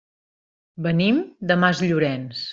Venim de Masllorenç.